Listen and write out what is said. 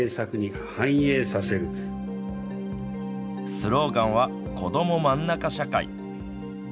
スローガンはこどもまんなか社会。